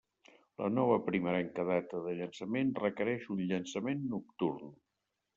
La nova, primerenca data de llançament requereix un llançament nocturn.